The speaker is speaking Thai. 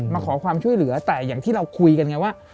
มาขอความช่วยเหลือแต่อย่างที่เราคุยกันไงว่า